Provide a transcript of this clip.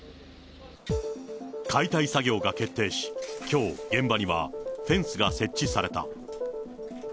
解体作業が決定し、きょう、現場にはフェンスが設置された。